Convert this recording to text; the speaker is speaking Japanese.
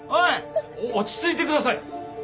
落ち着いてください。